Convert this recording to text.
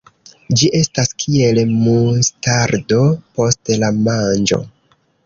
Ĝi estas kiel mustardo post la manĝo.